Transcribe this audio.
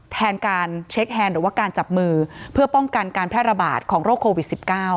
แทนการเช็คแฮนด์หรือว่าการจับมือเพื่อป้องกันการแพร่ระบาดของโรคโควิด๑๙